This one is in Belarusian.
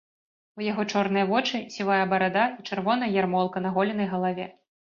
У яго чорныя вочы, сівая барада і чырвоная ярмолка на голенай галаве.